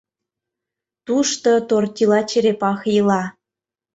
Тушто Тортила черепахе ила.